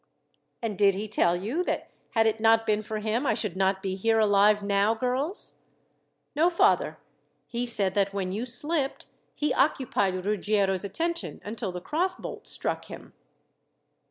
"And did he tell you that had it not been for him I should not be here alive now, girls?" "No, father. He said that when you slipped he occupied Ruggiero's attention until the cross bolt struck him."